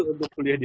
untuk kuliah di